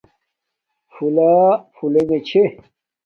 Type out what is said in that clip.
پھُلݳ پھُلݵݣݺ چھݺ.